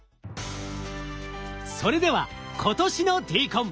それでは今年のＤＣＯＮ！